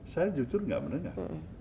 saya jujur tidak mendengar